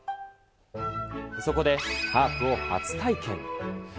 そこでハープを初体験。